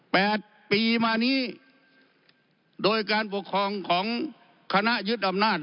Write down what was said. แปดปีมานี้โดยการปกครองของคณะยึดอำนาจ